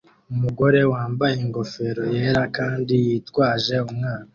Umugore wambaye ingofero yera kandi yitwaje umwana